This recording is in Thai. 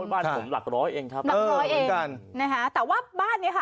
บ้านผมหลักร้อยเองครับหลักร้อยเองกันนะคะแต่ว่าบ้านเนี้ยค่ะ